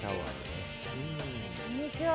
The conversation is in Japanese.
こんにちは。